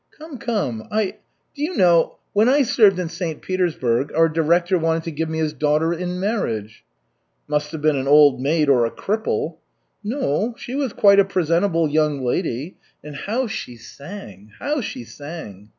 "Come, come. I do you know when I served in St. Petersburg, our director wanted to give me his daughter in marriage?" "Must have been an old maid or a cripple." "No, she was quite a presentable young lady. And how she sang, how she sang!"